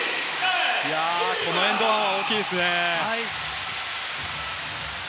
このエンド１は大きいですね。